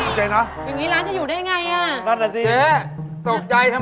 โอ้โฮอย่างนี้ร้านจะอยู่ได้อย่างไรน่ะเจ๊สุขใจทำไม